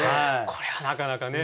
これはなかなかね。